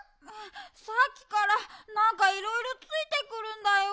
さっきからなんかいろいろついてくるんだよ。